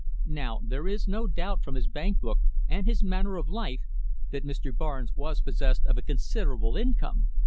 Now there is no doubt, from his bank book, and his manner of life, that Morris Barnes was possessed of a considerable income.